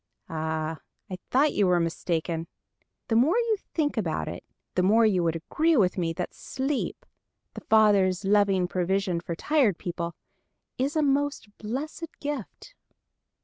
Ah, I thought you were mistaken. The more you think about it the more you will agree with me that sleep, the Father's loving provision for tired people, is a most blessed gift.